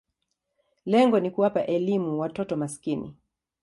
Lengo ni kuwapa elimu watoto maskini.